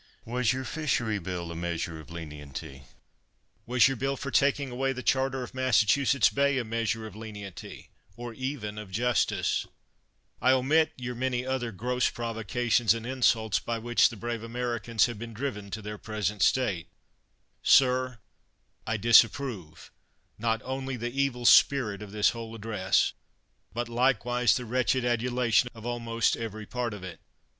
Was your Fishery Bill a measure of lenity? Was your Bill for taking away the charter of Massachusetts Bay a measure of lenity, or even of justice? I omit your many other gross prov 1 That is, by the overthrow of Burgoyne on October 7, 1777. 247 THE WORLD'S FAMOUS ORATIONS ocations and insults by which the brave Ameri cans have been driven to their present state. Sir, I disapprove, not only the evil spirit of this whole address, but likewise the wretched adula tion of almost every part of it.